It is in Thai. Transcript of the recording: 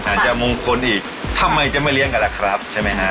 อาจจะมงคลอีกทำไมจะไม่เลี้ยงกันล่ะครับใช่ไหมฮะ